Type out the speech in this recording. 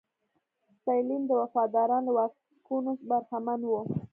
ستالین ته وفاداران له واکونو برخمن وو.